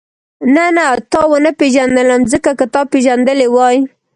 نه نه تا ونه پېژندلم ځکه که تا پېژندلې وای.